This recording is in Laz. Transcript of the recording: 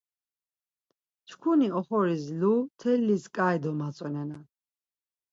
Çkuni oxoris lu telliz ǩai domatzonenan.